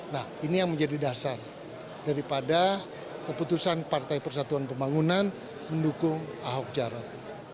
nah ini yang menjadi dasar daripada keputusan partai persatuan pembangunan mendukung ahok jarot